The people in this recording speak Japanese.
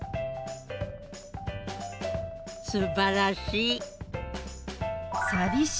すばらしい。